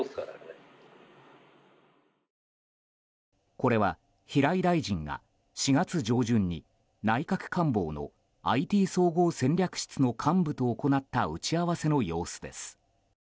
これは平井大臣が４月上旬に内閣官房のＩＴ総合戦略室の幹部と行った打ち合わせの様子です。